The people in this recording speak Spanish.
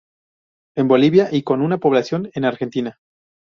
En Bolivia, y con una población en Argentina.